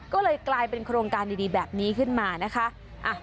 ก็เลยกลายเป็นโครงการดีแบบนี้ขึ้นมานะคะ